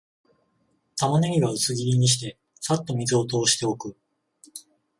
タマネギは薄切りにして、さっと水を通しておく